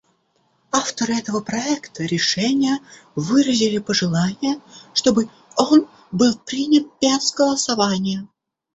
Авторы этого проекта решения выразили пожелание, чтобы он был принят без голосования.